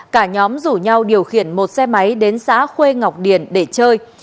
cả nhóm rủ nhau điều khiển một xe máy đến xã khuê ngọc điền để chơi